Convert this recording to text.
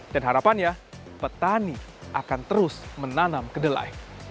dan harapannya petani akan terus menanam kedelai